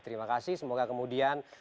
terima kasih semoga kemudian